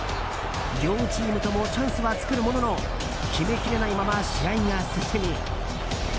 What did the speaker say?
両チームともチャンスは作るものの決めきれないまま試合が進み。